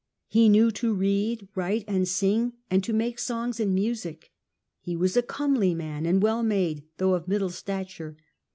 He knew to read, write and sing and to make songs and music. He was a comely man and well made, though of middle stature.